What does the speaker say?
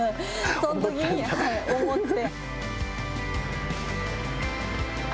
そのときに思って。